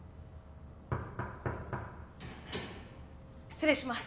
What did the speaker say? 失礼します